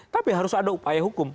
tapi harus ada upaya hukum